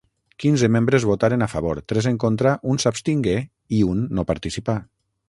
Quinze membres votaren a favor, tres en contra, un s'abstingué i un no participà.